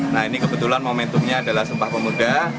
nah ini kebetulan momentumnya adalah sumpah pemuda